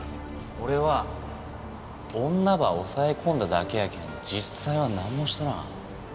俺は女ば押さえ込んだだけやけん実際はなんもしとらん。